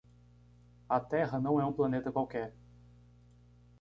A Terra não é um planeta qualquer!